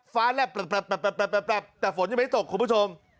แลบแต่ฝนยังไม่ตกคุณผู้ชม